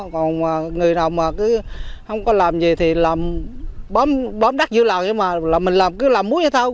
còn người nào mà cứ không có làm gì thì làm bóm đắt dư lào nhưng mà mình làm cứ làm muối thôi thôi